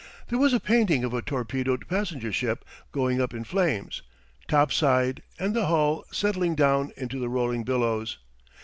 There was a painting of a torpedoed passenger ship going up in flames, topside and the hull settling down into the rolling billows.